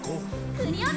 クリオネ！